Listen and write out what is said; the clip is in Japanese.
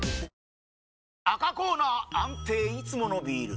赤コーナー安定いつものビール！